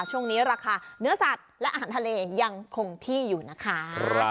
ช่วงนี้ราคาเนื้อสัตว์และอาหารทะเลยังคงที่อยู่นะคะ